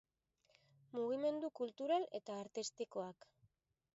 Mugimendu Kultural eta Artistikoak